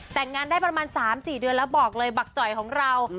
แต่งงานได้ประมาณ๓๔เดือนแล้วบอกเลยบักจ่อยของเรา